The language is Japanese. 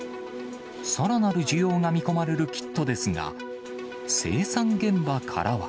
さらなる需要が見込まれるキットですが、生産現場からは。